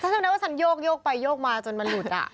จำได้ว่าฉันโยกไปโยกมาจนมันหลุด